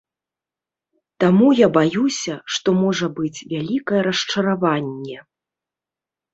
Таму я баюся, што можа быць вялікае расчараванне.